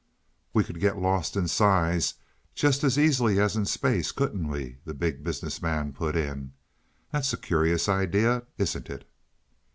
"We could get lost in size just as easily as in space, couldn't we?" the Big Business Man put in. "That's a curious idea, isn't it?"